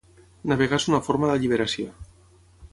Navegar és una forma d'alliberació